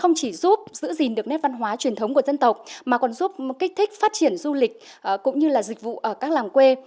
không chỉ giúp giữ gìn được nét văn hóa truyền thống của dân tộc mà còn giúp kích thích phát triển du lịch cũng như là dịch vụ ở các làng quê